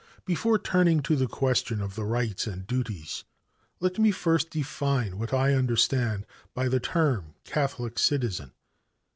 "Before turning to the question of the 'rights and duties' let me first define what I understand by the term 'Catholic Citizen.